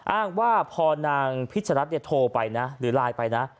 อ้างว่าพอนางพิชรัฐโทรไปนะหรือไลน์ไปนะ